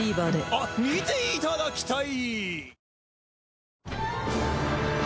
あっ見ていただきたい！